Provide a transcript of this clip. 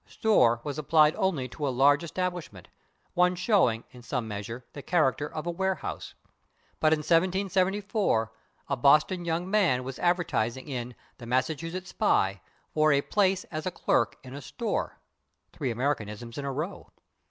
/Store/ was applied only to a large establishment one showing, in some measure, the character of a warehouse. But in 1774 a Boston young man was advertising in the /Massachusetts Spy/ for "a /place/ as a /clerk/ in a /store/" (three Americanisms in a row!).